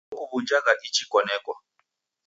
Ndokuw'unjagha ichi kwanekwa.